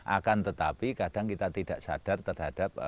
akan tetapi kadang kita tidak sadar terhadap